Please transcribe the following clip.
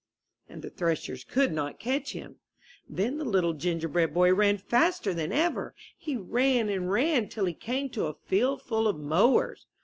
And the threshers could not catch him. Then the Little Gingerbread Boy ran faster than ever. He ran and ran till he came to a field full of mowers.